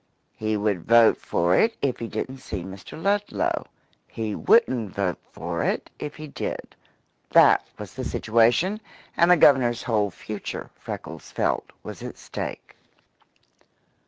He would vote for it if he didn't see Mr. Ludlow; he wouldn't vote for it if he did. That was the situation, and the Governor's whole future, Freckles felt, was at stake.